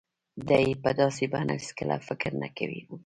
ده يې په داسې بڼه هېڅکله فکر نه و کړی.